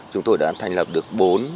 chúng tôi đã thành lập được bốn